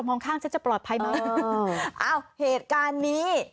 องข้างฉันจะปลอดภัยไหมเอออ้าวเหตุการณ์นี้